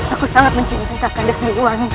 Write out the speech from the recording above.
aku sangat mencintai kakak dan siliwangi